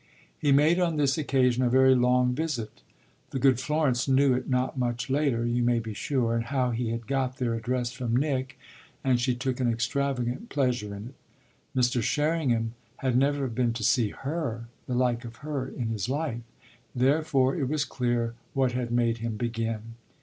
He made on this occasion a very long visit. The good Florence knew it not much later, you may be sure and how he had got their address from Nick and she took an extravagant pleasure in it. Mr. Sherringham had never been to see her the like of her in his life: therefore it was clear what had made him begin.